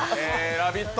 ラヴィット！